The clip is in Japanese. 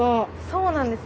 そうなんです。